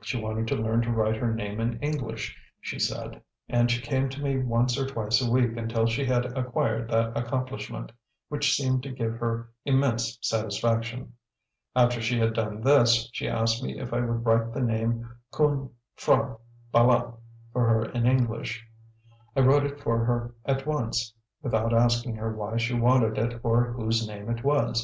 She wanted to learn to write her name in English, she said, and she came to me once or twice a week until she had acquired that accomplishment, which seemed to give her immense satisfaction. After she had done this, she asked me if I would write the name "Khoon P'hra Bâlât" for her in English. I wrote it for her at once, without asking her why she wanted it or whose name it was.